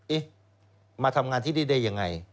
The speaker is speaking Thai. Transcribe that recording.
เอ๊ะมาทำงานที่ดียังไง